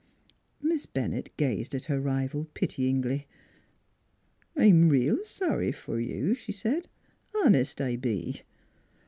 Miss Bennett gazed at her rival pityingly. " I'm reel sorry f'r you," she said. " Honest, I be."